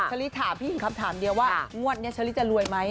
เชอรี่ถามพี่หญิงครับถามเดี๋ยวว่างวดเนี่ยเชอรี่จะรวยมั้ย